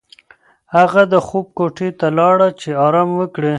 هغه د خوب کوټې ته لاړه چې ارام وکړي.